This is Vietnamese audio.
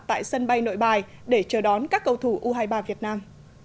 tại sân bay nội bài để chờ đón các cầu thủ u hai mươi ba việt nam